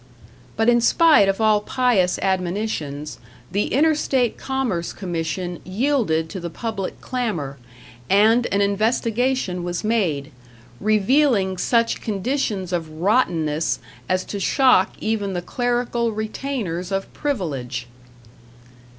But in spite of all pious admonitions, the Interstate Commerce Commission yielded to the public clamor, and an investigation was made revealing such conditions of rottenness as to shock even the clerical retainers of Privilege.